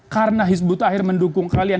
karena hizb ut tahir mendukung kalian